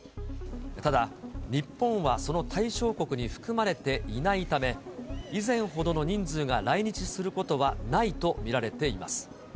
ただ、日本はその対象国に含まれていないため、以前ほどの人数が来日することはないと見られています。